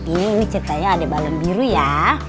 ini ceritanya ada balon biru ya